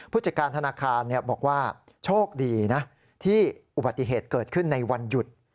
ผู้จัดการธนาคารบอกว่าโชคดีนะที่อุบัติเหตุเกิดขึ้นในวันหยุด